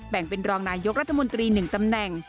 แบ่งเป็นรองนายกรัฐมนตรี๑ตำแหน่ง